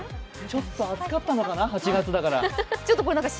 ちょっと暑かったのかな、８月だから。